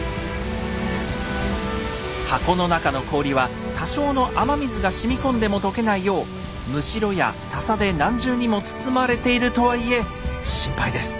箱の中の氷は多少の雨水がしみこんでも解けないよう筵や笹で何重にも包まれているとはいえ心配です。